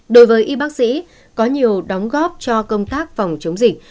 đối với y bác sĩ có nhiều đóng góp cho công tác phòng chống dịch